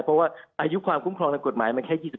เพราะว่าอายุความคุ้มครองทางกฎหมายมันแค่๒๐